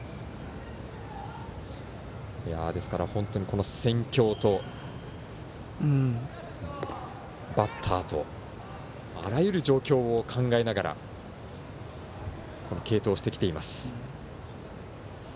ですから本当に戦況とバッターとあらゆる状況を考えながら継投をしてきています。